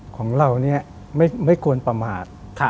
ของเราเนี่ยไม่ควรประมาท